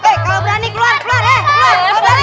eh kalau berani keluar keluar